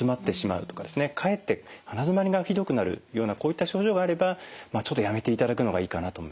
かえって鼻づまりがひどくなるようなこういった症状があればちょっとやめていただくのがいいかなと思います。